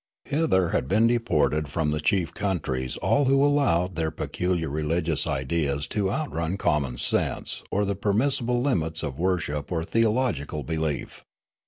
Hither had been deported from the chief countries all who al lowed their peculiar religious ideas to outrun common sense or the permissible limits of worship or theological belief.